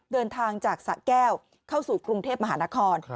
เดินทางจากสะแก้วเข้าสู่กรุงเทพมหานคร